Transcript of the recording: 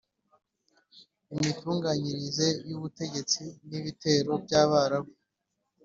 imitunganyirize y ubutegetsi n’ ibitero by abarabu